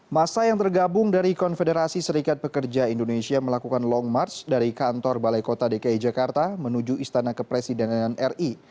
masa yang tergabung dari konfederasi serikat pekerja indonesia melakukan long march dari kantor balai kota dki jakarta menuju istana kepresidenan ri